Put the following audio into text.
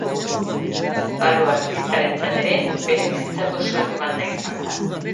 Balu artistarentzat ere, bere bizitzako soinu banda izan da.